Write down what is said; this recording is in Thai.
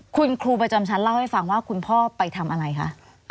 คุณครูประจำชั้นเล่าให้ฟังว่าคุณพ่อไปทำอะไรคะ